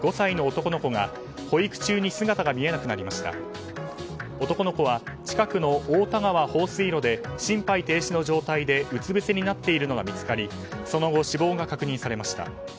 男の子は近くの太田川放水路で心肺停止の状態でうつぶせになっているのが見つかりその後、死亡が確認されました。